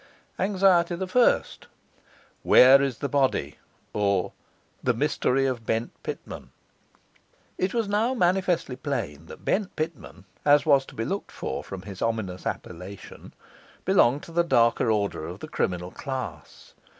Anxiety the First: Where is the Body? or, The Mystery of Bent Pitman. It was now manifestly plain that Bent Pitman (as was to be looked for from his ominous appellation) belonged to the darker order of the criminal class.